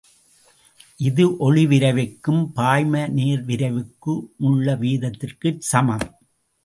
இது ஒளி விரைவுக்கும் பாய்ம நேர் விரைவுக்கு முள்ள வீதத்திற்குச் சமம்.